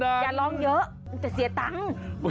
เดี๋ยวอย่าร้องเยอะจะเสียตังค์